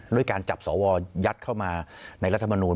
ด้วยการจับสวยัดเข้ามาในรัฐมนูล